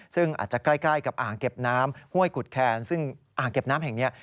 ซึ่งอาจจะใกล้กับอ่างเก็บน้ำห้วยกุดแคนซึ่งอ่างเก็บน้ำแห่งนี้